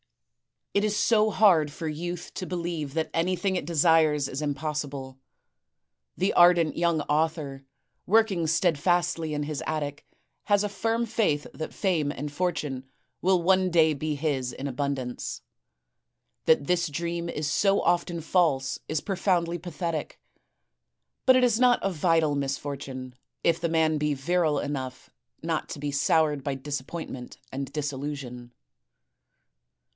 It is so hard for youth to believe that anything it desires is impossible. The ardent young author, working steadfastly in his attic, has a firm faith that fame and fortune will one day be his in abundance. That this dream is so often false is profoundly pathetic; but it is not a vital misfortune if the man be virile enough not to be soured by disappointment and disillusion.